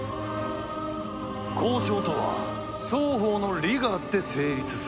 交渉とは双方の利があって成立するもの。